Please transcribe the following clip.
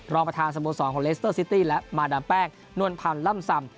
รองประธานสโมสรของเลสเตอร์ซิตี้และมาดามแป้งนวลพันธ์ล่ำซำ